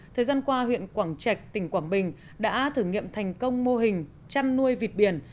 thời gian qua huyện quảng trạch tỉnh quảng bình đã thử nghiệm thành công mô hình chăn nuôi vịt biển